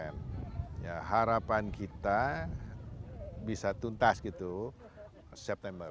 pembicara tiga puluh sembilan ya harapan kita bisa tuntas gitu september